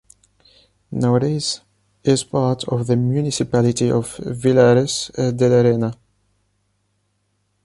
Nowadays is part of the municipality of Villares de la Reina.